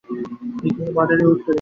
Victorian বর্ডারের উত্তরে, বিরতি।